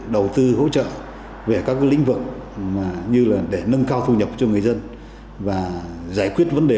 đầu tư hỗ trợ về các lĩnh vực như là để nâng cao thu nhập cho người dân và giải quyết vấn đề